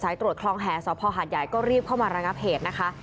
ตรวจคลองแหสภหาดใหญ่ก็รีบเข้ามาระงับเหตุนะคะ